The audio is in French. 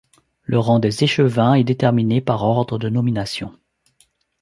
Le rang des échevins est déterminé par ordre de nomination.